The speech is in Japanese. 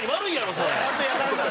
それ。